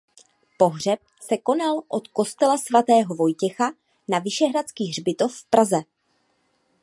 Pohřeb se konal od kostela svatého Vojtěcha na vyšehradský hřbitov v Praze.